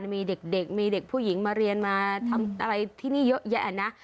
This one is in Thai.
มีเด็กมีเด็กผู้หญิงมาเรียนมาทำอะไรที่นี่เยอะแยะนะ